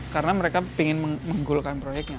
karena mereka ingin menggulakan proyeknya